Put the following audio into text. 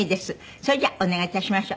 それじゃお願い致しましょう。